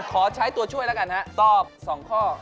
ขอใช้ตัวช่วยแล้วกันฮะตอบ๒ข้อ